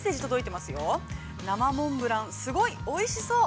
◆生モンブラン、すごいおいしそう。